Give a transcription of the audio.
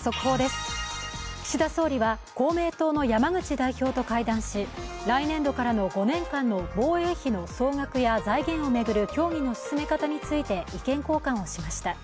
速報です、岸田総理は公明党の山口代表と会談し来年度からの５年間の防衛費の総額や財源を巡る協議の進め方について意見交換をしました。